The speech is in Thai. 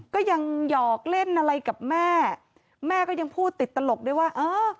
ก็ยังหยอกเล่นอะไรกับแม่แม่ก็ยังพูดติดตลกด้วยว่าเออ